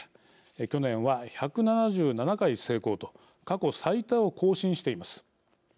去年は１７７回成功と過去最多を更新しています。